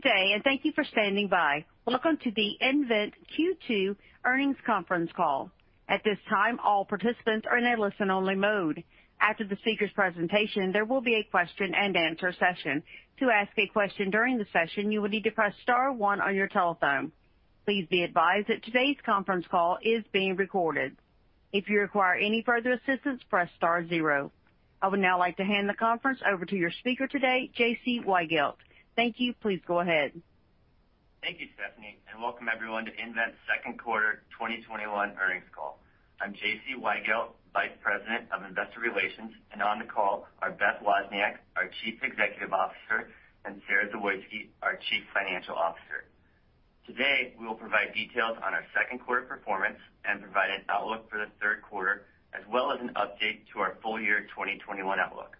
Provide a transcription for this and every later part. Good day, and thank you for standing by. Welcome to the nVent Q2 Earnings Conference Call. At this time all participants are in listen-only mode. After the speaker presentation, they will be a question and answer session. To ask a question during the session, you will need to press star one on your telephone. Please be advised today's conference call is being recorded. If you require any further assistance, press star zero. I would now like to hand the conference over to your speaker today, J.C. Weigelt. Thank you. Please go ahead. Thank you, Stephanie, and welcome everyone to nVent's second quarter 2021 earnings call. I'm J.C. Weigelt, Vice President of Investor Relations, and on the call are Beth Wozniak, our Chief Executive Officer, and Sara Zawoyski, our Chief Financial Officer. Today, we will provide details on our second quarter performance and provide an outlook for the third quarter, as well as an update to our full-year 2021 outlook.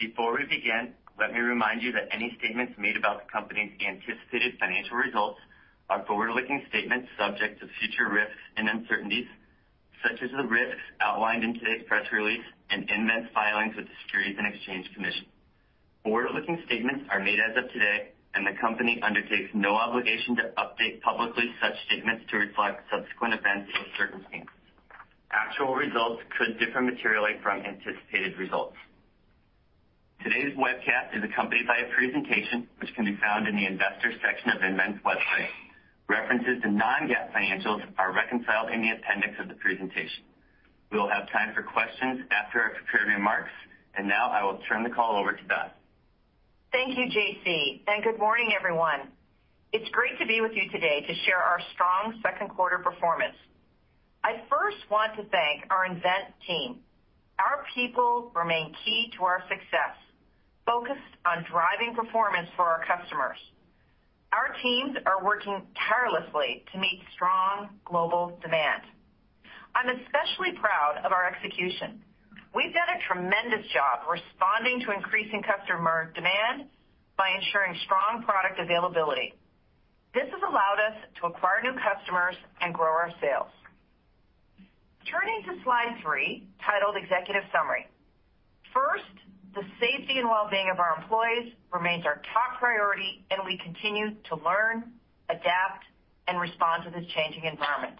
Before we begin, let me remind you that any statements made about the company's anticipated financial results are forward-looking statements subject to future risks and uncertainties, such as the risks outlined in today's press release and nVent's filings with the Securities and Exchange Commission. Forward-looking statements are made as of today, and the company undertakes no obligation to update publicly such statements to reflect subsequent events or circumstances. Actual results could differ materially from anticipated results. Today's webcast is accompanied by a presentation which can be found in the Investors section of nVent's website. References to non-GAAP financials are reconciled in the appendix of the presentation. We will have time for questions after our prepared remarks, and now I will turn the call over to Beth. Thank you, J.C., and good morning, everyone. It's great to be with you today to share our strong second quarter performance. I first want to thank our nVent team. Our people remain key to our success, focused on driving performance for our customers. Our teams are working tirelessly to meet strong global demand. I'm especially proud of our execution. We've done a tremendous job responding to increasing customer demand by ensuring strong product availability. This has allowed us to acquire new customers and grow our sales. Turning to Slide 3, titled Executive Summary. First, the safety and wellbeing of our employees remains our top priority, and we continue to learn, adapt, and respond to this changing environment.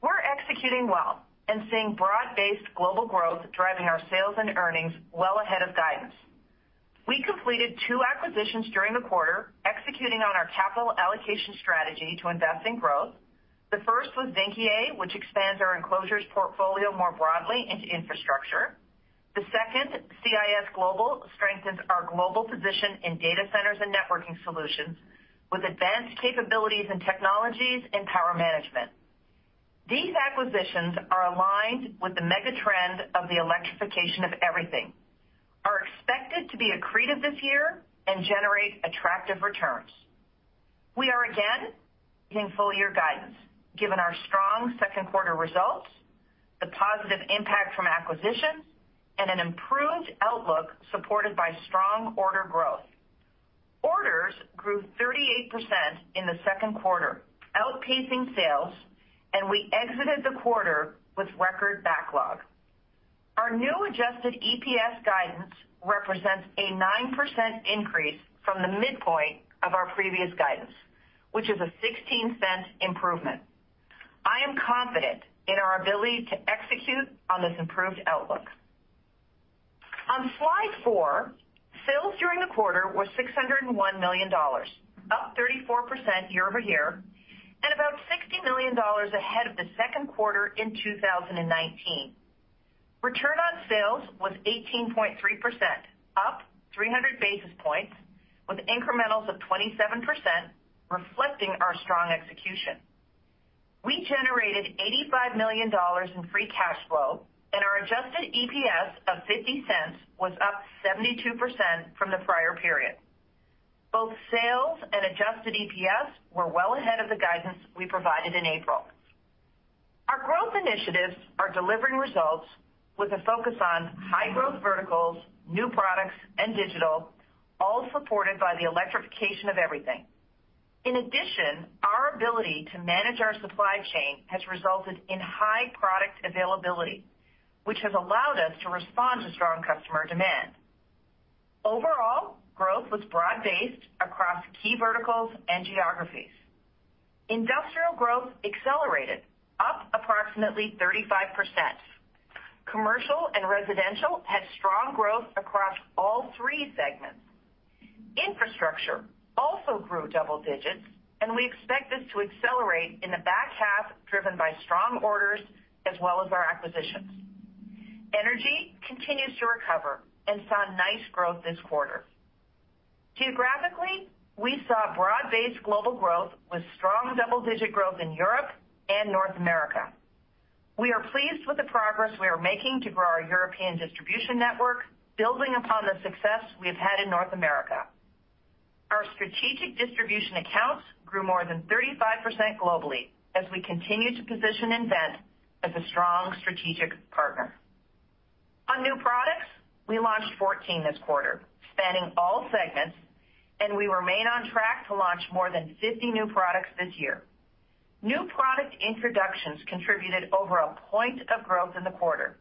We're executing well and seeing broad-based global growth driving our sales and earnings well ahead of guidance. We completed two acquisitions during the quarter, executing on our capital allocation strategy to invest in growth. The first was Vynckier, which expands our Enclosures portfolio more broadly into infrastructure. The second, CIS Global, strengthens our global position in data centers and networking solutions with advanced capabilities and technologies in power management. These acquisitions are aligned with the mega-trend of the electrification of everything, are expected to be accretive this year, and generate attractive returns. We are again raising full-year guidance, given our strong second quarter results, the positive impact from acquisitions, and an improved outlook supported by strong order growth. Orders grew 38% in the second quarter, outpacing sales, and we exited the quarter with record backlog. Our new adjusted EPS guidance represents a 9% increase from the midpoint of our previous guidance, which is a $0.16 improvement. I am confident in our ability to execute on this improved outlook. On Slide 4, sales during the quarter were $601 million, up 34% year-over-year, and about $60 million ahead of the second quarter in 2019. Return on sales was 18.3%, up 300 basis points, with incrementals of 27%, reflecting our strong execution. We generated $85 million in free cash flow, and our adjusted EPS of $0.50 was up 72% from the prior period. Both sales and adjusted EPS were well ahead of the guidance we provided in April. Our growth initiatives are delivering results with a focus on high-growth verticals, new products, and digital, all supported by the electrification of everything. In addition, our ability to manage our supply chain has resulted in high product availability, which has allowed us to respond to strong customer demand. Overall, growth was broad-based across key verticals and geographies. Industrial growth accelerated, up approximately 35%. Commercial and residential had strong growth across all three segments. Infrastructure also grew double digits. We expect this to accelerate in the back half, driven by strong orders as well as our acquisitions. Energy continues to recover and saw nice growth this quarter. Geographically, we saw broad-based global growth with strong double-digit growth in Europe and North America. We are pleased with the progress we are making to grow our European distribution network, building upon the success we have had in North America. Our strategic distribution accounts grew more than 35% globally as we continue to position nVent as a strong strategic partner. On new products, we launched 14 this quarter, spanning all segments. We remain on track to launch more than 50 new products this year. New product introductions contributed over a point of growth in the quarter.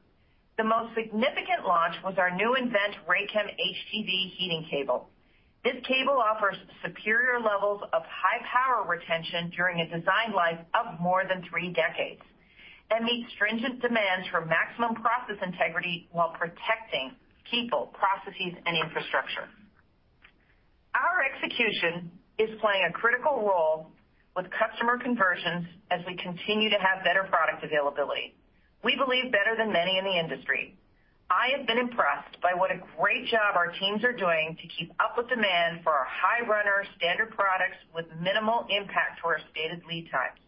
The most significant launch was our new nVent RAYCHEM HTV heating cable. This cable offers superior levels of high power retention during a design life of more than three decades, and meets stringent demands for maximum process integrity while protecting people, processes, and infrastructure. Our execution is playing a critical role with customer conversions as we continue to have better product availability, we believe better than many in the industry. I have been impressed by what a great job our teams are doing to keep up with demand for our high-runner standard products with minimal impact to our stated lead times.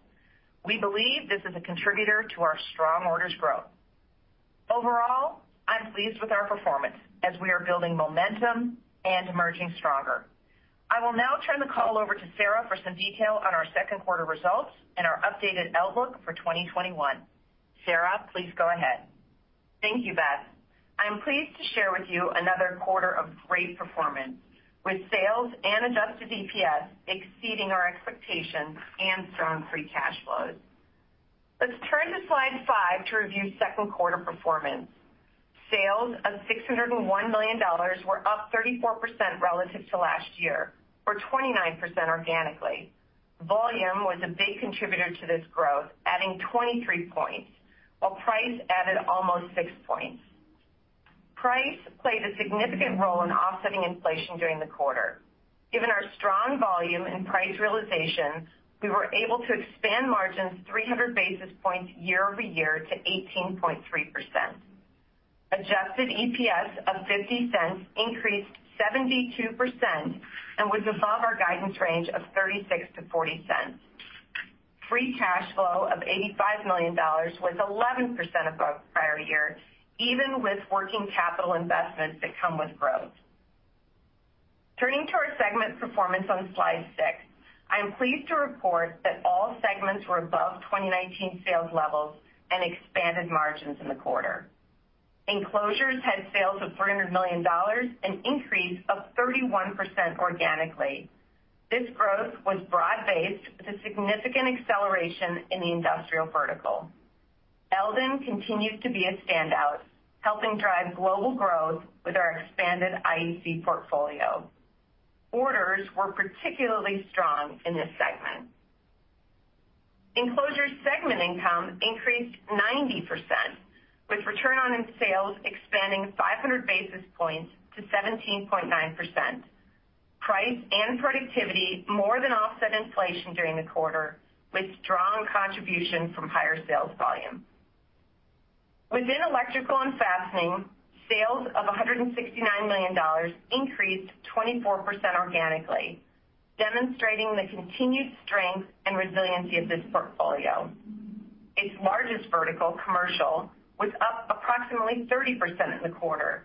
We believe this is a contributor to our strong orders growth. Overall, I'm pleased with our performance as we are building momentum and emerging stronger. I will now turn the call over to Sara for some detail on our second quarter results and our updated outlook for 2021. Sara, please go ahead. Thank you, Beth. I'm pleased to share with you another quarter of great performance, with sales and adjusted EPS exceeding our expectations and strong free cash flows. Let's turn to Slide 5 to review second quarter performance. Sales of $601 million were up 34% relative to last year, or 29% organically. Volume was a big contributor to this growth, adding 23 points, while price added almost 6 points. Price played a significant role in offsetting inflation during the quarter. Given our strong volume and price realization, we were able to expand margins 300 basis points year-over-year to 18.3%. Adjusted EPS of $0.50 increased 72% and was above our guidance range of $0.36-$0.40. Free cash flow of $85 million was 11% above prior year, even with working capital investments that come with growth. Turning to our segment performance on Slide 6. I am pleased to report that all segments were above 2019 sales levels and expanded margins in the quarter. Enclosures had sales of $300 million, an increase of 31% organically. This growth was broad-based, with a significant acceleration in the industrial vertical. Eldon continues to be a standout, helping drive global growth with our expanded IEC portfolio. Orders were particularly strong in this segment. Enclosure segment income increased 90%, with return on sales expanding 500 basis points to 17.9%. Price and productivity more than offset inflation during the quarter, with strong contribution from higher sales volume. Within Electrical and Fastening, sales of $169 million increased 24% organically, demonstrating the continued strength and resiliency of this portfolio. Its largest vertical, commercial, was up approximately 30% in the quarter.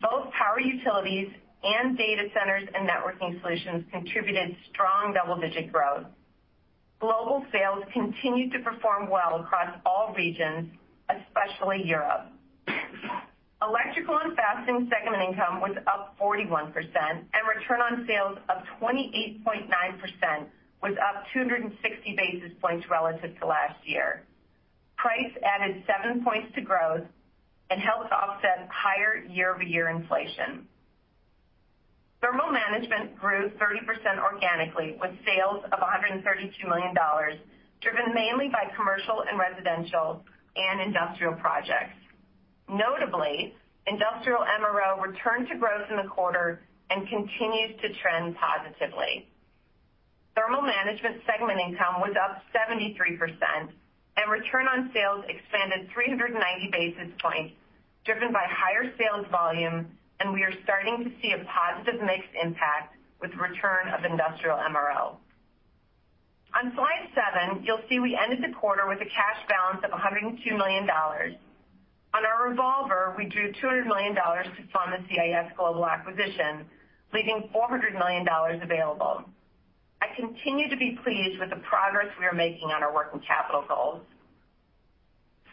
Both power, utilities, and data centers and networking solutions contributed strong double-digit growth. Global sales continued to perform well across all regions, especially Europe. Electrical & Fastening segment income was up 41%, and return on sales of 28.9% was up 260 basis points relative to last year. Price added 7 points to growth and helped offset higher year-over-year inflation. Thermal Management grew 30% organically, with sales of $132 million, driven mainly by commercial and residential and industrial projects. Notably, industrial MRO returned to growth in the quarter and continues to trend positively. Thermal Management segment income was up 73%, and return on sales expanded 390 basis points, driven by higher sales volume. We are starting to see a positive mix impact with return of industrial MRO. On Slide 7, you'll see we ended the quarter with a cash balance of $102 million. On our revolver, we drew $200 million to fund the CIS Global acquisition, leaving $400 million available. I continue to be pleased with the progress we are making on our working capital goals.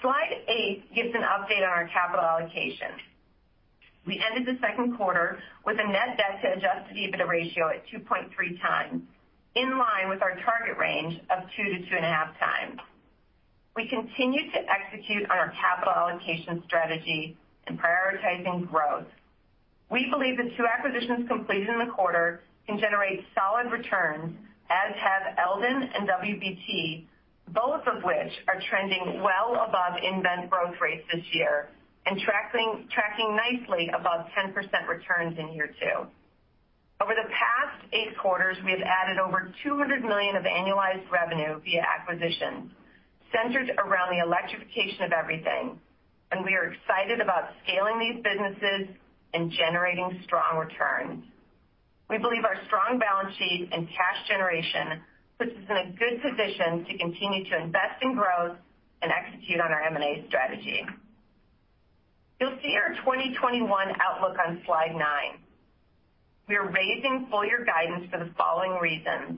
Slide 8 gives an update on our capital allocation. We ended the second quarter with a net debt to Adjusted EBITDA ratio at 2.3x, in line with our target range of 2x to 2.5x. We continue to execute on our capital allocation strategy and prioritizing growth. We believe the two acquisitions completed in the quarter can generate solid returns, as have Eldon and WBT, both of which are trending well above nVent growth rates this year and tracking nicely above 10% returns in year two. Over the past 8 quarters, we have added over $200 million of annualized revenue via acquisitions centered around the electrification of everything, and we are excited about scaling these businesses and generating strong returns. We believe our strong balance sheet and cash generation puts us in a good position to continue to invest in growth and execute on our M&A strategy. You'll see our 2021 outlook on Slide 9. We are raising full-year guidance for the following reasons.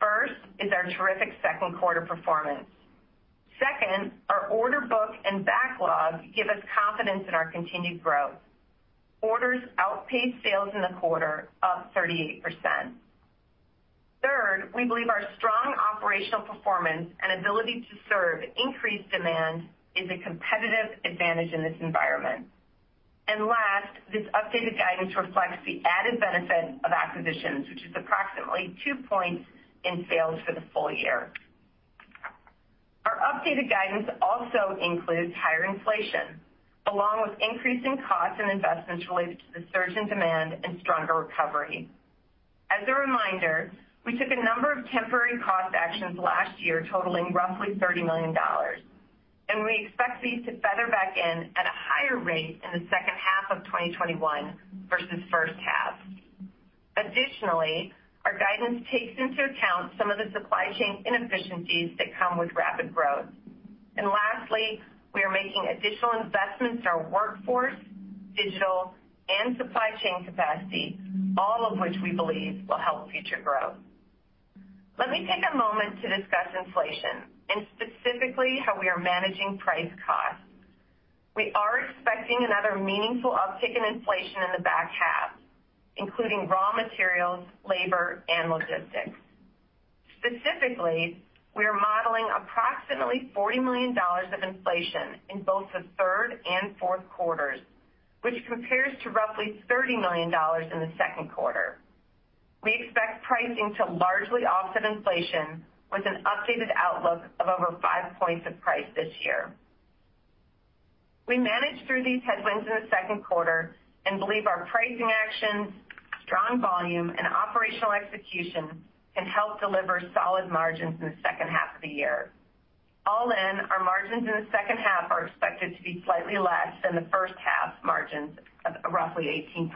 First is our terrific second quarter performance. Second, our order book and backlog give us confidence in our continued growth. Orders outpaced sales in the quarter, up 38%. Third, we believe our strong operational performance and ability to serve increased demand is a competitive advantage in this environment. Last, this updated guidance reflects the added benefit of acquisitions, which is approximately 2 points in sales for the full year. Our updated guidance also includes higher inflation, along with increasing costs and investments related to the surge in demand and stronger recovery. As a reminder, we took a number of temporary cost actions last year totaling roughly $30 million, and we expect these to feather back in at a higher rate in the second half of 2021 versus the first half. Additionally, our guidance takes into account some of the supply chain inefficiencies that come with rapid growth. Lastly, we are making additional investments in our workforce, digital, and supply chain capacity, all of which we believe will help future growth. Let me take a moment to discuss inflation, and specifically how we are managing price costs. We are expecting another meaningful uptick in inflation in the back half, including raw materials, labor, and logistics. Specifically, we are modeling approximately $40 million of inflation in both the third and fourth quarters, which compares to roughly $30 million in the second quarter. We expect pricing to largely offset inflation with an updated outlook of over five points of price this year. We managed through these headwinds in the second quarter and believe our pricing actions, strong volume, and operational execution can help deliver solid margins in the second half of the year. All in, our margins in the second half are expected to be slightly less than the first half margins of roughly 18%.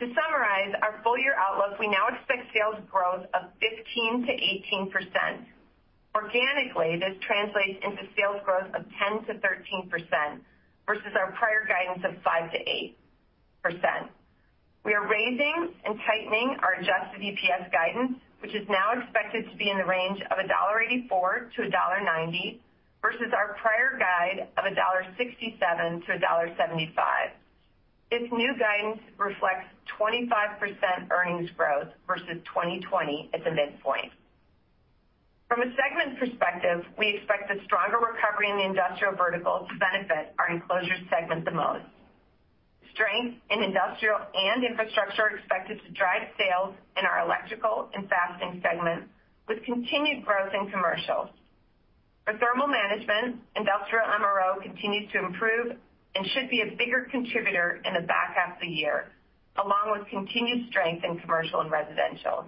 To summarize our full-year outlook, we now expect sales growth of 15%-18%. Organically, this translates into sales growth of 10%-13%, versus our prior guidance of 5%-8%. We are raising and tightening our adjusted EPS guidance, which is now expected to be in the range of $1.84-$1.90 versus our prior guide of $1.67-$1.75. This new guidance reflects 25% earnings growth versus 2020 at the midpoint. From a segment perspective, we expect the stronger recovery in the industrial vertical to benefit our Enclosures segment the most. Strength in industrial and infrastructure are expected to drive sales in our Electrical & Fastening segments, with continued growth in Commercial. For Thermal Management, industrial MRO continues to improve and should be a bigger contributor in the back half of the year, along with continued strength in commercial and residential.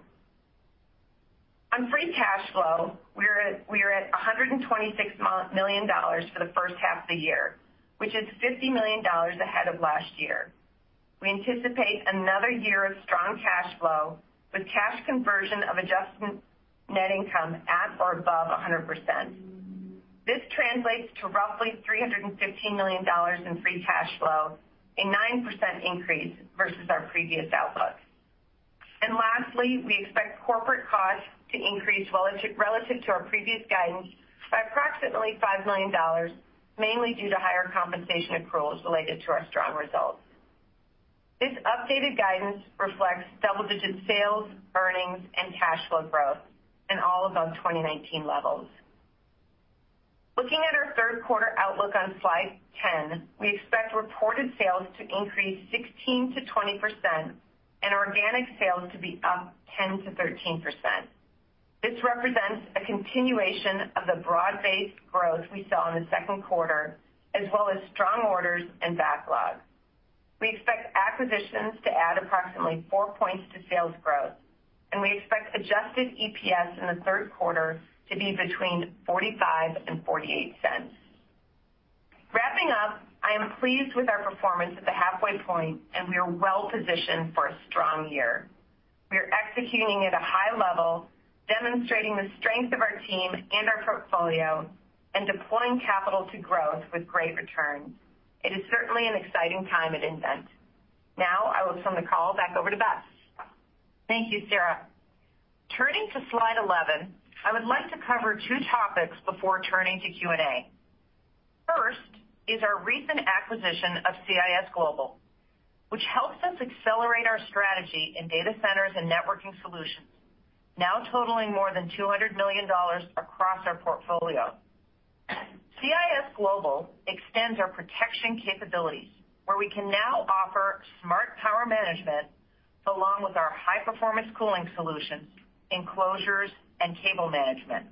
On free cash flow, we are at $126 million for the first half of the year, which is $50 million ahead of last year. We anticipate another year of strong cash flow, with cash conversion of adjusted net income at or above 100%. This translates to roughly $315 million in free cash flow, a 9% increase versus our previous outlook. Lastly, we expect corporate costs to increase relative to our previous guidance by approximately $5 million, mainly due to higher compensation accruals related to our strong results. This updated guidance reflects double-digit sales, earnings, and cash flow growth, and all above 2019 levels. Looking at our third quarter outlook on Slide 10, we expect reported sales to increase 16%-20% and organic sales to be up 10%-13%. This represents a continuation of the broad-based growth we saw in the second quarter, as well as strong orders and backlog. We expect acquisitions to add approximately 4 points to sales growth, and we expect adjusted EPS in the third quarter to be between $0.45 and $0.48. Wrapping up, I am pleased with our performance at the halfway point, and we are well-positioned for a strong year. We are executing at a high level, demonstrating the strength of our team and our portfolio, and deploying capital to growth with great returns. It is certainly an exciting time at nVent. I will turn the call back over to Beth. Thank you, Sara. Turning to Slide 11, I would like to cover two topics before turning to Q&A. First is our recent acquisition of CIS Global, which helps us accelerate our strategy in data centers and networking solutions, now totaling more than $200 million across our portfolio. CIS Global extends our protection capabilities, where we can now offer smart power management along with our high-performance cooling solutions, enclosures, and cable management.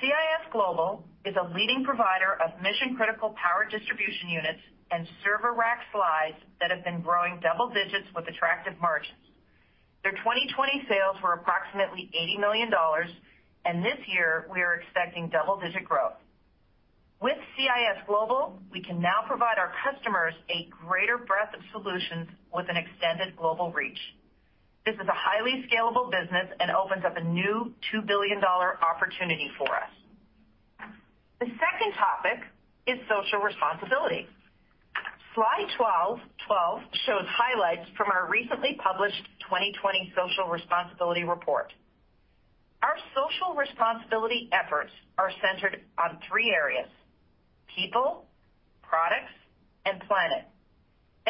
CIS Global is a leading provider of mission-critical power distribution units and server rack slides that have been growing double digits with attractive margins. Their 2020 sales were approximately $80 million, and this year we are expecting double-digit growth. With CIS Global, we can now provide our customers a greater breadth of solutions with an extended global reach. This is a highly scalable business and opens up a new $2 billion opportunity for us. The second topic is social responsibility. Slide 12 shows highlights from our recently published 2020 Social Responsibility Report. Social responsibility efforts are centered on three areas, people, products, and planet.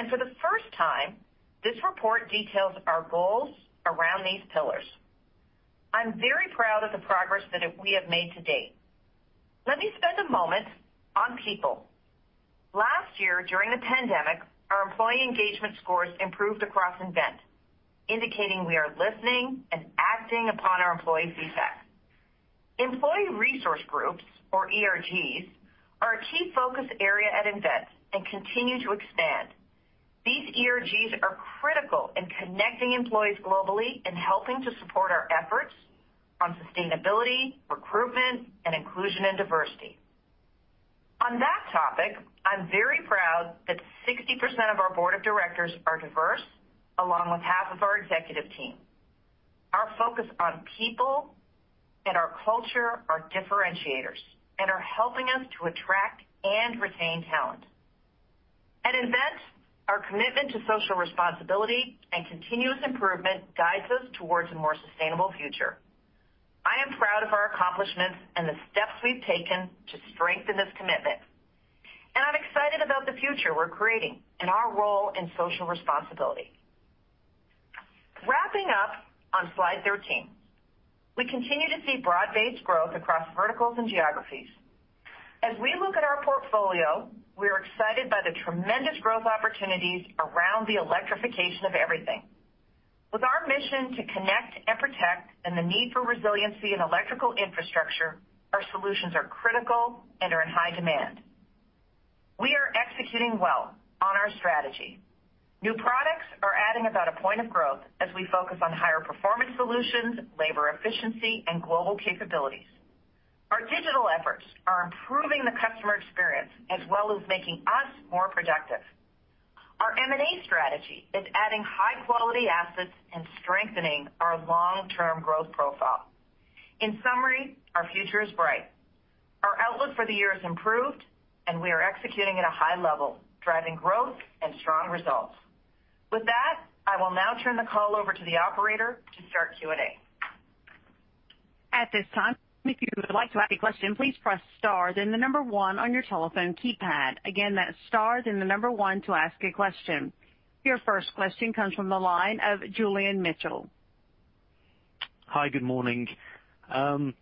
For the first time, this report details our goals around these pillars. I'm very proud of the progress that we have made to date. Let me spend a moment on people. Last year, during the pandemic, our employee engagement scores improved across nVent, indicating we are listening and acting upon our employee feedback. Employee resource groups, or ERGs, are a key focus area at nVent and continue to expand. These ERGs are critical in connecting employees globally and helping to support our efforts on sustainability, recruitment, and inclusion and diversity. On that topic, I'm very proud that 60% of our board of directors are diverse, along with half of our executive team. Our focus on people and our culture are differentiators and are helping us to attract and retain talent. At nVent, our commitment to social responsibility and continuous improvement guides us towards a more sustainable future. I am proud of our accomplishments and the steps we've taken to strengthen this commitment. I'm excited about the future we're creating and our role in social responsibility. Wrapping up on Slide 13, we continue to see broad-based growth across verticals and geographies. We look at our portfolio, we are excited by the tremendous growth opportunities around the electrification of everything. With our mission to connect and protect and the need for resiliency in electrical infrastructure, our solutions are critical and are in high demand. We are executing well on our strategy. New products are adding about a point of growth as we focus on higher-performance solutions, labor efficiency, and global capabilities. Our digital efforts are improving the customer experience as well as making us more productive. Our M&A strategy is adding high-quality assets and strengthening our long-term growth profile. In summary, our future is bright. Our outlook for the year has improved, and we are executing at a high level, driving growth and strong results. With that, I will now turn the call over to the operator to start Q&A. At this time, if you would like to ask a question, please press star then the number one on your telephone keypad. Again, that's star then the number one to ask a question. Your first question comes from the line of Julian Mitchell. Hi, good morning. Morning.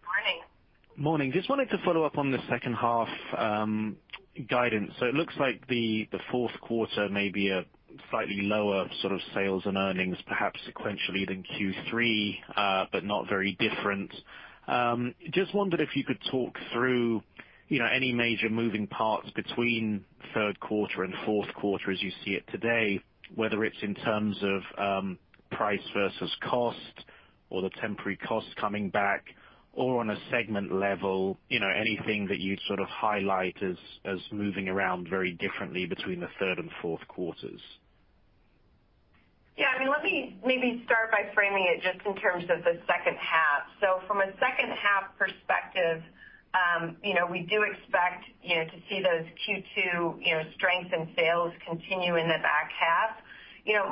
Morning. Just wanted to follow up on the second half guidance. It looks like the fourth quarter may be a slightly lower sort of sales and earnings, perhaps sequentially than Q3, but not very different. Just wondered if you could talk through any major moving parts between third quarter and fourth quarter as you see it today, whether it's in terms of price versus cost or the temporary costs coming back or on a segment level, anything that you'd sort of highlight as moving around very differently between the third and fourth quarters. Let me maybe start by framing it just in terms of the second half. From a second half perspective, we do expect to see those Q2 strengths and sales continue in the back half.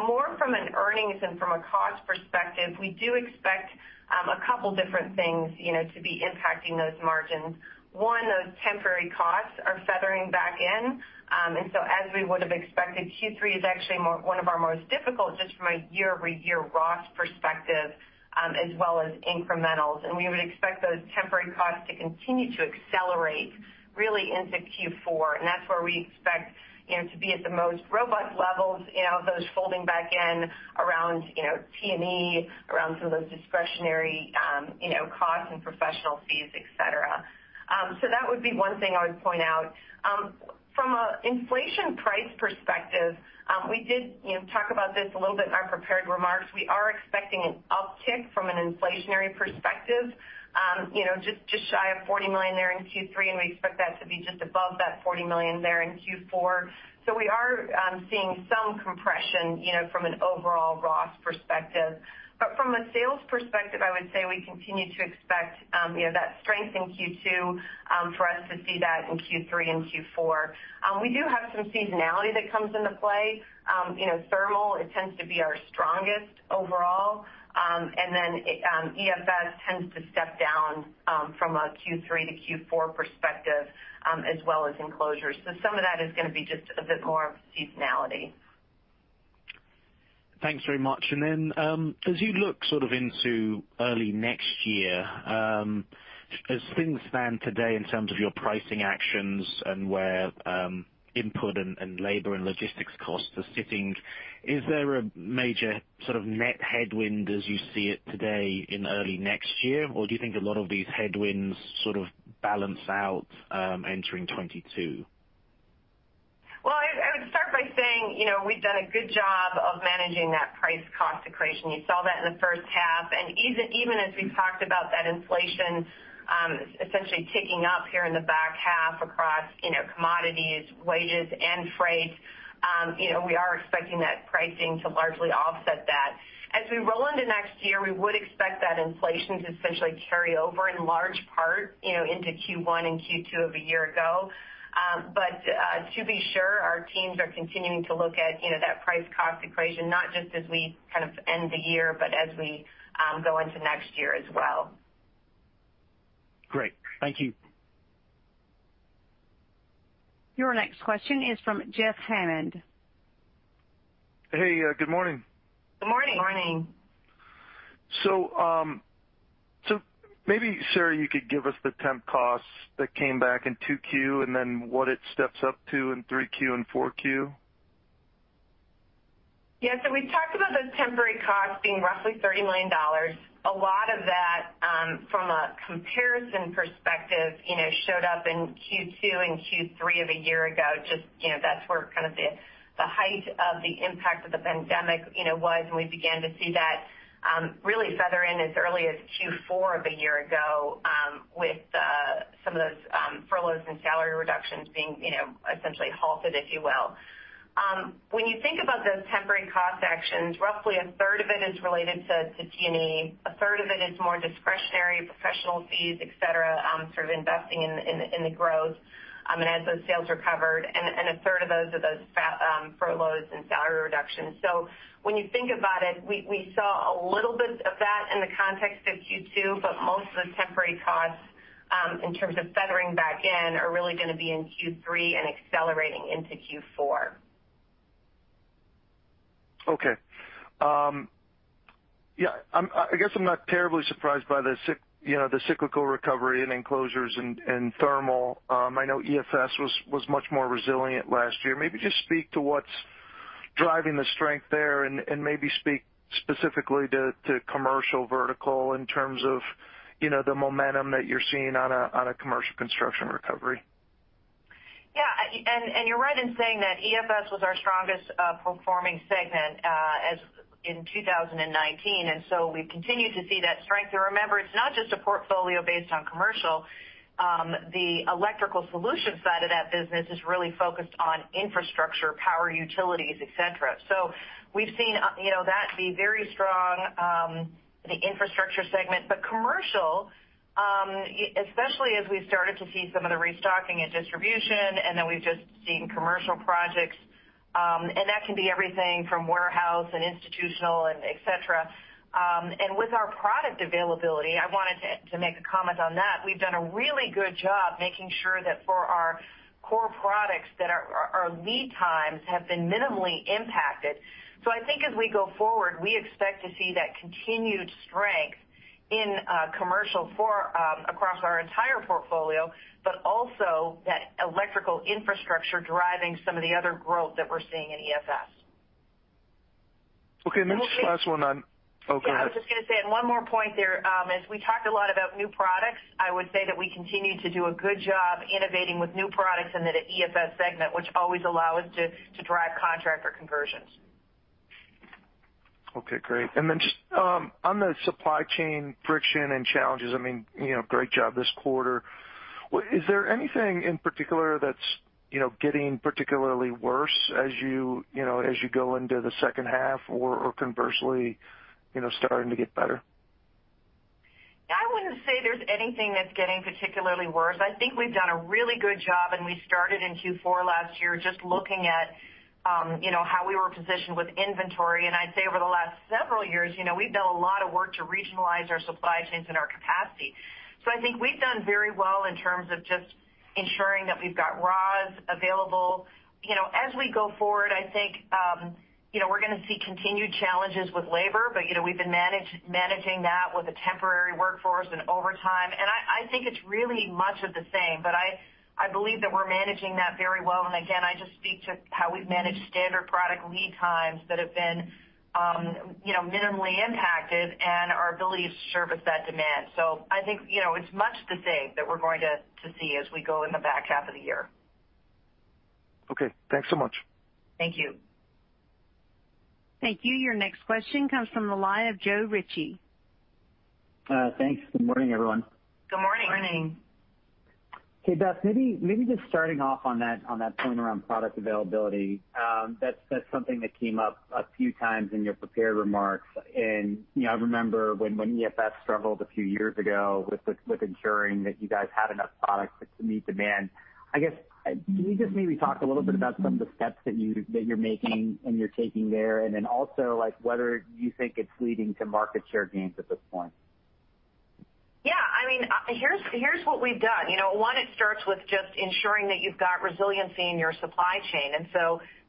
More from an earnings and from a cost perspective, we do expect a couple different things to be impacting those margins. One, those temporary costs are feathering back in. As we would've expected, Q3 is actually one of our most difficult just from a year-over-year raw perspective, as well as incrementals. We would expect those temporary costs to continue to accelerate really into Q4. That's where we expect to be at the most robust levels, those folding back in around T&E, around some of those discretionary costs and professional fees, et cetera. That would be one thing I would point out. From an inflation price perspective, we did talk about this a little bit in our prepared remarks. We are expecting an uptick from an inflationary perspective just shy of $40 million there in Q3, and we expect that to be just above that $40 million there in Q4. We are seeing some compression from an overall raw perspective. From a sales perspective, I would say we continue to expect that strength in Q2 for us to see that in Q3 and Q4. We do have some seasonality that comes into play. Thermal, it tends to be our strongest overall. EFS tends to step down from a Q3 to Q4 perspective, as well as Enclosures. Some of that is going to be just a bit more of seasonality. Thanks very much. As you look into early next year, as things stand today in terms of your pricing actions and where input and labor and logistics costs are sitting, is there a major net headwind as you see it today in early next year? Or do you think a lot of these headwinds sort of balance out entering 2022? Well, I would start by saying we've done a good job of managing that price cost equation. You saw that in the first half. And even as we talked about that inflation essentially ticking up here in the back half across commodities, wages, and freight, we are expecting that pricing to largely offset that. As we roll into next year, we would expect that inflation to essentially carry over in large part into Q1 and Q2 of a year ago. But to be sure, our teams are continuing to look at that price cost equation, not just as we end the year, but as we go into next year as well. Great. Thank you. Your next question is from Jeffrey Hammond. Hey, good morning. Good morning. Good morning. Maybe, Sara, you could give us the temp costs that came back in 2Q and then what it steps up to in 3Q and 4Q. Yeah. We talked about those temporary costs being roughly $30 million. A lot of that, from a comparison perspective, showed up in Q2 and Q3 of a year ago. That's where kind of the height of the impact of the pandemic was, and we began to see that really feather in as early as Q4 of a year ago with some of those furloughs and salary reductions being essentially halted, if you will. When you think about those temporary cost actions, roughly a third of it is related to G&A. A third of it is more discretionary professional fees, et cetera, sort of investing in the growth as those sales recovered. A third of those are those furloughs and salary reductions. When you think about it, we saw a little bit of that in the context of Q2, but most of the temporary costs, in terms of feathering back in, are really going to be in Q3 and accelerating into Q4. Okay. I guess I'm not terribly surprised by the cyclical recovery in Enclosures and thermal. I know EFS was much more resilient last year. Maybe just speak to what's driving the strength there and maybe speak specifically to commercial vertical in terms of the momentum that you're seeing on a commercial construction recovery. Yeah. You're right in saying that EFS was our strongest performing segment in 2019, and so we've continued to see that strength. Remember, it's not just a portfolio based on commercial. The electrical solutions side of that business is really focused on infrastructure, power, utilities, et cetera. We've seen that be very strong, the infrastructure segment. Commercial, especially as we started to see some of the restocking and distribution, and then we've just seen commercial projects. That can be everything from warehouse and institutional and et cetera. With our product availability, I wanted to make a comment on that. We've done a really good job making sure that for our core products, that our lead times have been minimally impacted. I think as we go forward, we expect to see that continued strength in commercial across our entire portfolio, but also that electrical infrastructure driving some of the other growth that we're seeing in EFS. Okay, oh, go ahead. Yeah, I was just going to say. One more point there is we talked a lot about new products. I would say that we continue to do a good job innovating with new products in the EFS segment, which always allow us to drive contractor conversions. Okay, great. On the supply chain friction and challenges, great job this quarter. Is there anything in particular that's getting particularly worse as you go into the second half or conversely, starting to get better? I wouldn't say there's anything that's getting particularly worse. I think we've done a really good job, and we started in Q4 last year just looking at how we were positioned with inventory. I'd say over the last several years, we've done a lot of work to regionalize our supply chains and our capacity. I think we've done very well in terms of just ensuring that we've got raws available. As we go forward, I think we're going to see continued challenges with labor, but we've been managing that with a temporary workforce and overtime. I think it's really much of the same, but I believe that we're managing that very well. Again, I just speak to how we've managed standard product lead times that have been minimally impacted and our ability to service that demand. I think it's much the same that we're going to see as we go in the back half of the year. Okay. Thanks so much. Thank you. Thank you. Your next question comes from the line of Joe Ritchie. Thanks. Good morning, everyone. Good morning. Good morning. Okay, Beth, maybe just starting off on that point around product availability. That's something that came up a few times in your prepared remarks. I remember when EFS struggled a few years ago with ensuring that you guys had enough product to meet demand. I guess, can you just maybe talk a little bit about some of the steps that you're making and you're taking there, and then also whether you think it's leading to market share gains at this point? Yeah. Here's what we've done. One, it starts with just ensuring that you've got resiliency in your supply chain.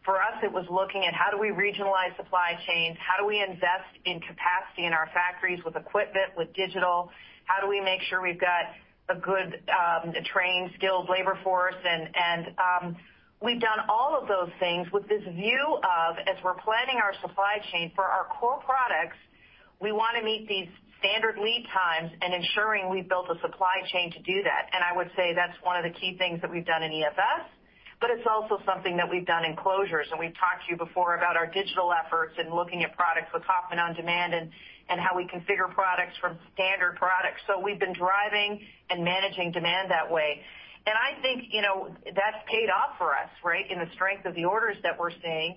For us, it was looking at how do we regionalize supply chains? How do we invest in capacity in our factories with equipment, with digital? How do we make sure we've got a good trained, skilled labor force? We've done all of those things with this view of, as we're planning our supply chain for our core products, we want to meet these standard lead times and ensuring we've built a supply chain to do that. I would say that's one of the key things that we've done in EFS, but it's also something that we've done in Enclosures. We've talked to you before about our digital efforts and looking at products with configure-on-order and on-demand and how we configure products from standard products. We've been driving and managing demand that way. I think that's paid off for us in the strength of the orders that we're seeing.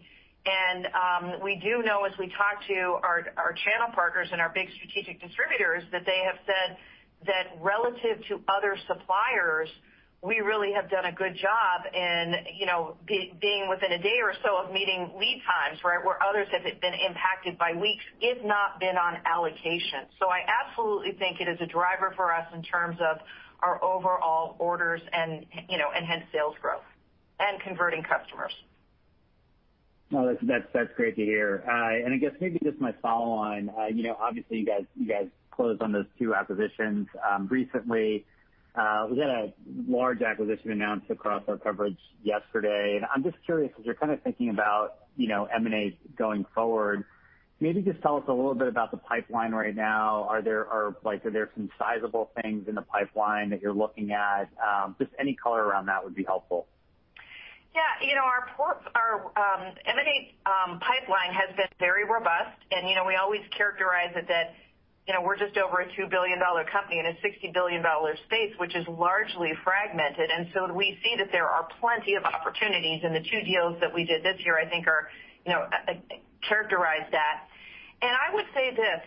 We do know as we talk to our channel partners and our big strategic distributors, that they have said that relative to other suppliers, we really have done a good job in being within a day or so of meeting lead times, where others have been impacted by weeks, if not been on allocation. I absolutely think it is a driver for us in terms of our overall orders and hence sales growth and converting customers. No, that's great to hear. I guess maybe just my follow-on, obviously you guys closed on those two acquisitions recently. We had a large acquisition announced across our coverage yesterday, I'm just curious, as you're thinking about M&A going forward, maybe just tell us a little bit about the pipeline right now. Are there some sizable things in the pipeline that you're looking at? Just any color around that would be helpful. Yeah. Our M&A pipeline has been very robust, we always characterize it that we're just over a $2 billion company in a $60 billion space, which is largely fragmented. We see that there are plenty of opportunities, and the two deals that we did this year, I think, characterize that. I would say this,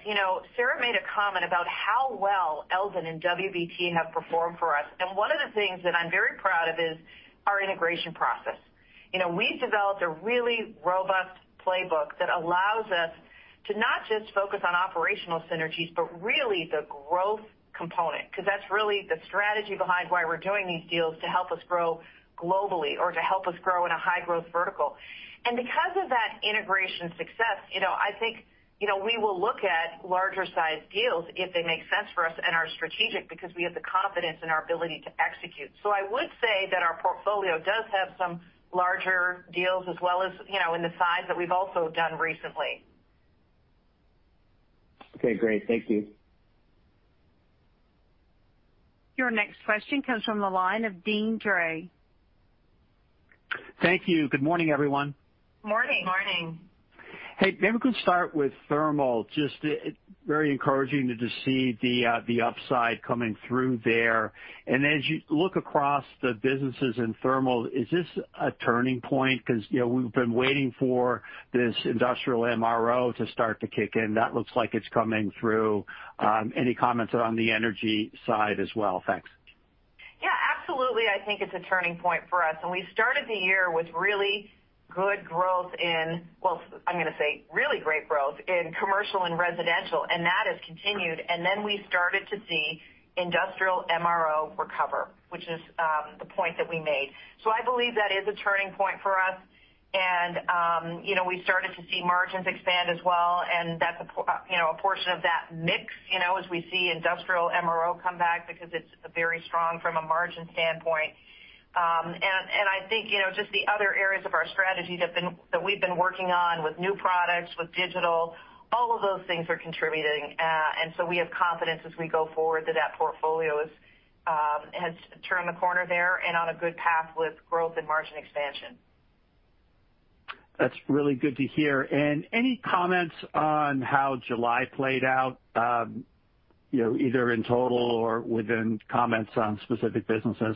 Sara made a comment about how well Eldon and WBT have performed for us, and one of the things that I'm very proud of is our integration process. We've developed a really robust playbook that allows us to not just focus on operational synergies, but really the growth component, because that's really the strategy behind why we're doing these deals to help us grow globally or to help us grow in a high-growth vertical. Because of that integration success, I think we will look at larger size deals if they make sense for us and are strategic because we have the confidence in our ability to execute. I would say that our portfolio does have some larger deals as well as in the size that we've also done recently. Okay, great. Thank you. Your next question comes from the line of Deane Dray. Thank you. Good morning, everyone. Morning. Morning. Hey, maybe we could start with Thermal. Just very encouraging to see the upside coming through there. As you look across the businesses in Thermal, is this a turning point? Because we've been waiting for this industrial MRO to start to kick in. That looks like it's coming through. Any comments on the energy side as well? Thanks. Yeah, absolutely. I think it's a turning point for us. We started the year with really good growth in, well, I'm going to say really great growth in commercial and residential, and that has continued. Then we started to see industrial MRO recover, which is the point that we made. I believe that is a turning point for us. We started to see margins expand as well, and that's a portion of that mix, as we see industrial MRO come back because it's very strong from a margin standpoint. I think, just the other areas of our strategy that we've been working on with new products, with digital, all of those things are contributing. We have confidence as we go forward that that portfolio has turned the corner there and on a good path with growth and margin expansion. That's really good to hear. Any comments on how July played out, either in total or within comments on specific businesses? Yeah,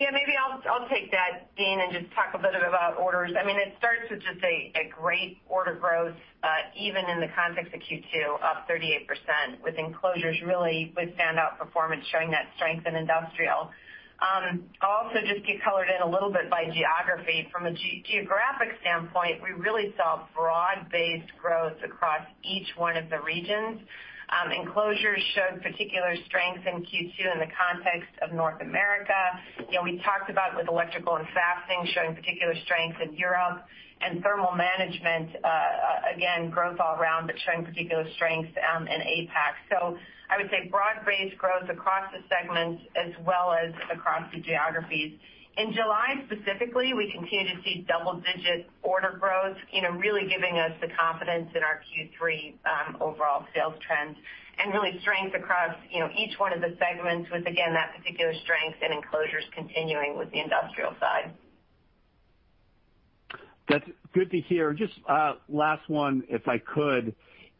maybe I'll take that, Deane, and just talk a bit about orders. It starts with just a great order growth, even in the context of Q2, up 38%, with Enclosures really with standout performance showing that strength in industrial. Also just get colored in a little bit by geography. From a geographic standpoint, we really saw broad-based growth across each one of the regions. Enclosures showed particular strength in Q2 in the context of North America. We talked about with Electrical & Fastening Solutions showing particular strength in Europe and Thermal Management, again, growth all around, but showing particular strength in APAC. I would say broad-based growth across the segments as well as across the geographies. In July specifically, we continue to see double-digit order growth, really giving us the confidence in our Q3 overall sales trends and really strength across each 1 of the segments with, again, that particular strength and Enclosures continuing with the industrial side. That's good to hear. Just last one, if I could.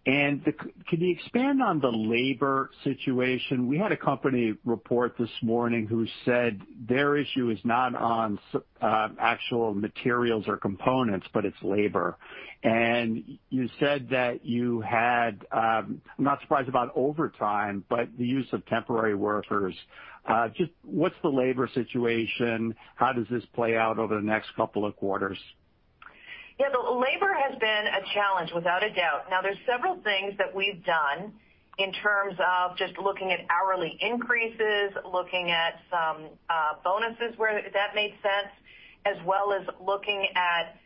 Can you expand on the labor situation? We had a company report this morning who said their issue is not on actual materials or components, but it's labor. You said that you had, I'm not surprised about overtime, but the use of temporary workers. Just what's the labor situation? How does this play out over the next couple of quarters? Yeah, the labor has been a challenge, without a doubt. There's several things that we've done in terms of just looking at hourly increases, looking at some bonuses where that made sense, as well as looking at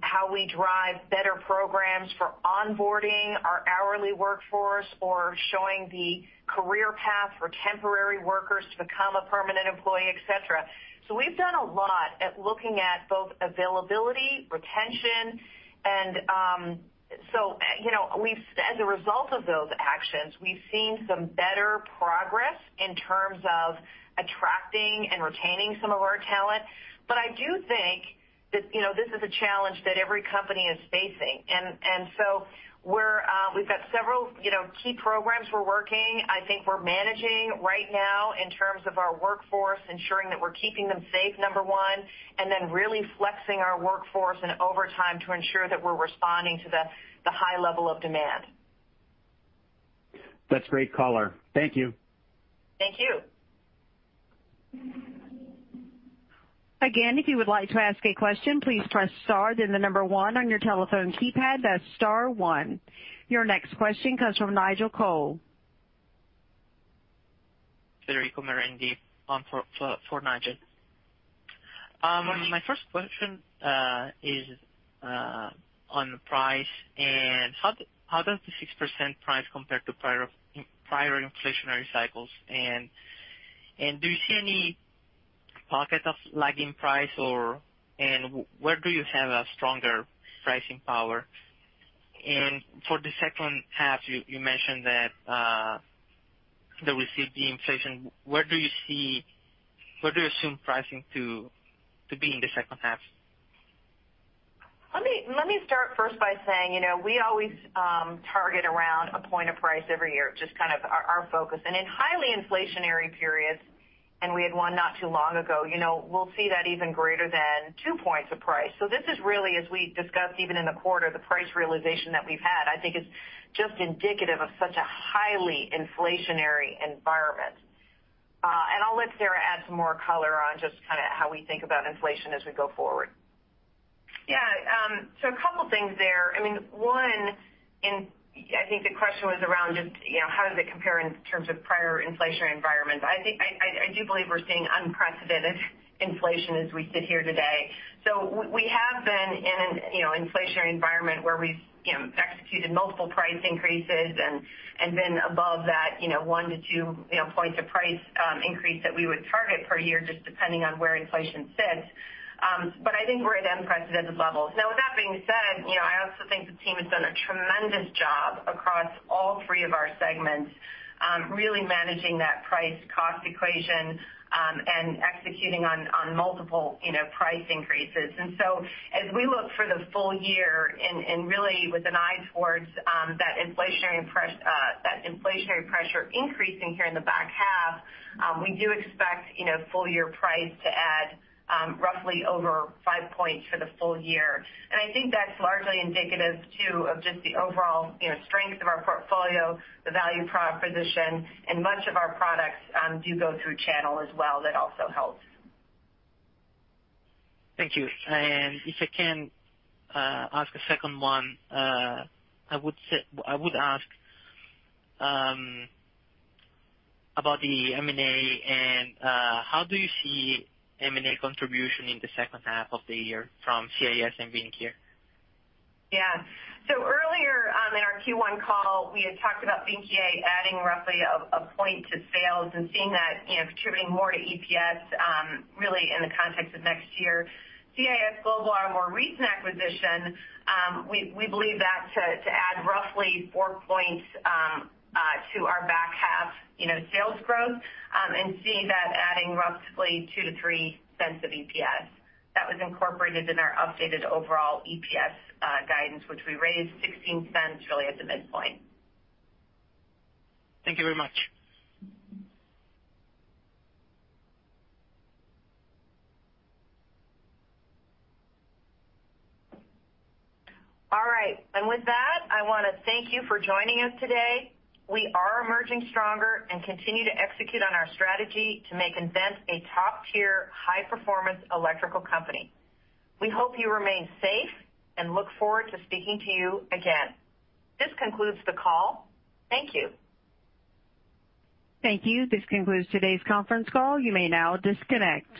how we drive better programs for onboarding our hourly workforce or showing the career path for temporary workers to become a permanent employee, et cetera. We've done a lot at looking at both availability, retention, and so as a result of those actions, we've seen some better progress in terms of attracting and retaining some of our talent. I do think that this is a challenge that every company is facing. We've got several key programs we're working. I think we're managing right now in terms of our workforce, ensuring that we're keeping them safe, number one, and then really flexing our workforce and overtime to ensure that we're responding to the high level of demand. That's great color. Thank you. Thank you. Your next question comes from Nigel Coe. Enrico Merendi on for Nigel. My first question is on price. How does the 6% price compare to prior inflationary cycles? Do you see any pocket of lagging price? Where do you have a stronger pricing power? For the second half, you mentioned that we see the inflation. Where do you assume pricing to be in the second half? Let me start first by saying, we always target around one point of price every year, just kind of our focus. In highly inflationary periods, and we had one not too long ago, we'll see that even greater than 2 points of price. This is really, as we discussed even in the quarter, the price realization that we've had, I think, is just indicative of such a highly inflationary environment. I'll let Sara add some more color on just kind of how we think about inflation as we go forward. Yeah. A couple things there. One, I think the question was around just how does it compare in terms of prior inflationary environments. I do believe we're seeing unprecedented inflation as we sit here today. We have been in an inflationary environment where we've executed multiple price increases and been above that 1-2 points of price increase that we would target per year, just depending on where inflation sits. I think we're at unprecedented levels. Now, with that being said, I also think the team has done a tremendous job across all three of our segments, really managing that price cost equation, and executing on multiple price increases. As we look for the full year, and really with an eye towards that inflationary pressure increasing here in the back half, we do expect full year price to add roughly over 5 points for the full year. I think that's largely indicative, too, of just the overall strength of our portfolio, the value proposition, and much of our products do go through channel as well. That also helps. Thank you. If I can ask a second one, I would ask about the M&A, and how do you see M&A contribution in the second half of the year from CIS and Vynckier? Earlier on our Q1 call, we had talked about Vynckier adding roughly a point to sales and seeing that contributing more to EPS, really in the context of next year. CIS Global, our more recent acquisition, we believe that to add roughly four points to our back half sales growth, and seeing that adding roughly $0.02-$0.03 of EPS. That was incorporated in our updated overall EPS guidance, which we raised $0.16 really as a midpoint. Thank you very much. All right. With that, I want to thank you for joining us today. We are emerging stronger and continue to execute on our strategy to make nVent a top-tier, high-performance electrical company. We hope you remain safe, and look forward to speaking to you again. This concludes the call. Thank you. Thank you. This concludes today's conference call. You may now disconnect.